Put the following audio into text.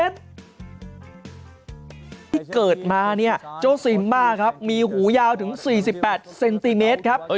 ที่เกิดมาเนี่ยเจ้าซีมมาครับมีหูยาวถึง๔๘เซนติเมตรครับ